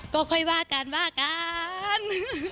ก็ค่อยว่ากันว่ากัน